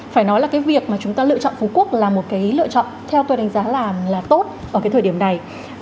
phải nói là cái việc mà chúng ta lựa chọn phú quốc là một cái lựa chọn theo tôi đánh giá là tốt ở cái thời điểm này